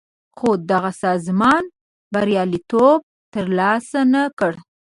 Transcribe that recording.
خو دغه سازمان بریالیتوب تر لاسه نه کړ.